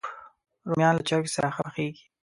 رومیان له چرګ سره ښه پخېږي